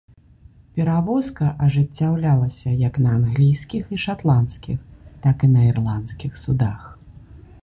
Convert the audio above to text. Перавозка ажыццяўлялася як на англійскіх і шатландскіх, так і на ірландскіх судах.